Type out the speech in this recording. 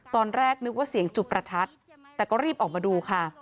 ตอนแรกนึกว่าเสียงจุดประทัดแต่ก็รีบออกมาดูค่ะ